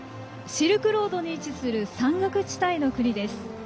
シルクロードに位置する山岳地帯の国です。